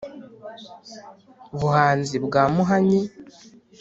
buhanzi bwa muhanyi